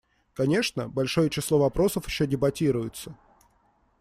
Конечно, большое число вопросов еще дебатируется.